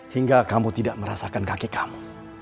hingga kamu tidak merasakan kaki kamu